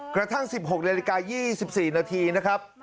กระทั่ง๑๖นาฬิกา๒๔นาทีนะครับ